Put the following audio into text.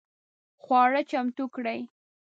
خواړه چمتو کړئ